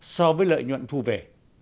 so với lợi nhuận thu về